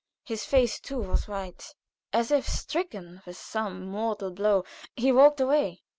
His face too was white. As if stricken with some mortal blow, he walked away.